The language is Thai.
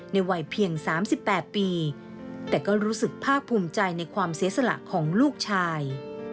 วัยเพียง๓๘ปีแต่ก็รู้สึกภาคภูมิใจในความเสียสละของลูกชาย